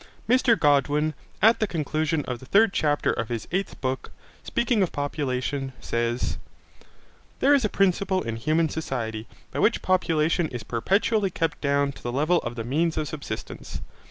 Mr Godwin, at the conclusion of the third chapter of his eighth book, speaking of population, says: There is a principle in human society, by which population is perpetually kept down to the level of the means of subsistence.